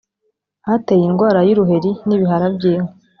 hateye indwara y uruheri n ibihara by inka